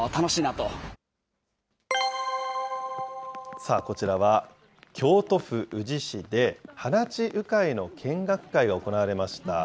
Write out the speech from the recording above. さあ、こちらは京都府宇治市で、放ち鵜飼の見学会が行われました。